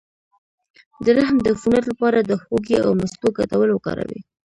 د رحم د عفونت لپاره د هوږې او مستو ګډول وکاروئ